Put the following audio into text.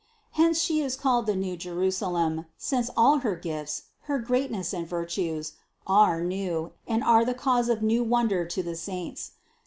Hence She is called the new Jerusalem, since all her gifts, her greatness and virtues are new and are the cause of new wonder to the saints.